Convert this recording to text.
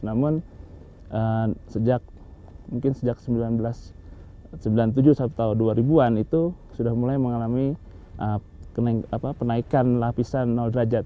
namun sejak mungkin sejak seribu sembilan ratus sembilan puluh tujuh atau dua ribu an itu sudah mulai mengalami penaikan lapisan derajat